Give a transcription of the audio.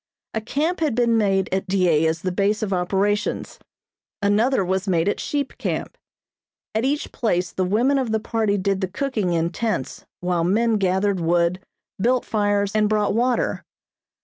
A camp had been made at Dyea as the base of operations; another was made at Sheep Camp. At each place the women of the party did the cooking in tents while men gathered wood, built fires, and brought water.